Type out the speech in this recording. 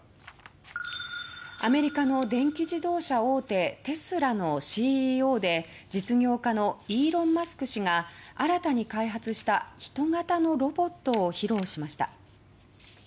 アメリカの電気自動車大手テスラのＣＥＯで実業家のイーロン・マスク氏が新たに開発したヒト型のロボットを披露しました。